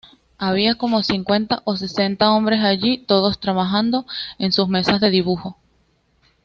Había como cincuenta o sesenta hombres allí, todos trabajando en sus mesas de dibujo.